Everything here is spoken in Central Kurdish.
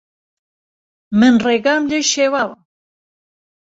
من ڕێگام لێ شێواوه